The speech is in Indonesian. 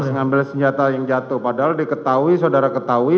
mengambil senjata yang jatuh padahal diketahui saudara ketahui